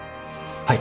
はい！